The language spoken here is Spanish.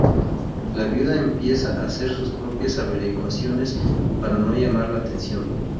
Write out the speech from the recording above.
La viuda empieza a hacer sus propias averiguaciones, para no llamar la atención.